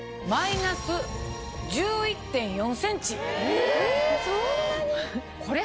えそんなに！